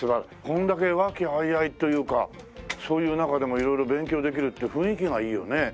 これだけ和気あいあいというかそういう中でも色々勉強できるって雰囲気がいいよね。